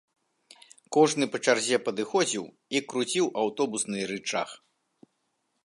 Кожны па чарзе падыходзіў і круціў аўтобусны рычаг.